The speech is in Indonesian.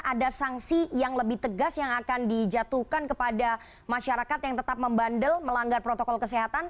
ada sanksi yang lebih tegas yang akan dijatuhkan kepada masyarakat yang tetap membandel melanggar protokol kesehatan